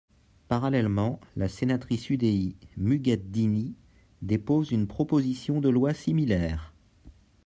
Parallèlement, la sénatrice UDI Muguette Dini dépose une proposition de loi similaire.